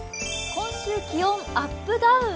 今週気温アップダウン。